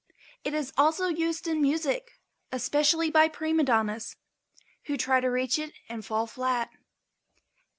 It is also used in music, especially by prima donnas who try to reach it and fall flat.